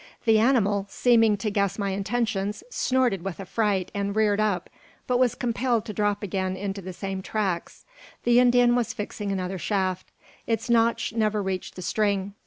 The animal, seeming to guess my intentions, snorted with affright and reared up, but was compelled to drop again into the same tracks. The Indian was fixing another shaft. Its notch never reached the string.